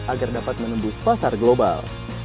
agar dapat menembus pasar global